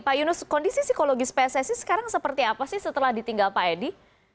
pak yunus kondisi psikologis pssi sekarang seperti apa sih setelah ditinggal pak edi